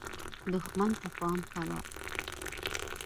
دښمن ته پام کوه .